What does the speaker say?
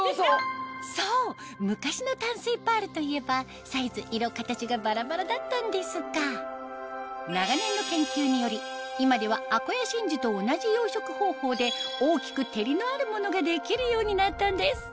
そう昔の淡水パールといえばサイズ色形がバラバラだったんですが長年の研究により今では大きく照りのあるものができるようになったんです